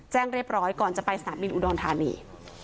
แจ้งเรียบร้อยก่อนจะไปสนามบินอุดรธานี